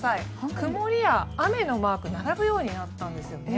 曇りや雨のマークが並ぶようになったんですよね。